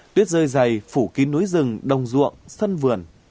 tuyết rơi dày phủ kín núi rừng đồng ruộng sân vườn